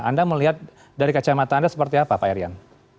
anda melihat dari kacamata anda seperti apa pak eryan